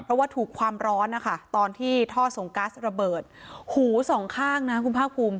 เพราะว่าถูกความร้อนนะคะตอนที่ท่อส่งกัสระเบิดหูสองข้างนะคุณภาคภูมิ